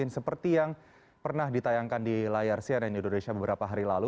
seperti yang pernah ditayangkan di layar cnn indonesia beberapa hari lalu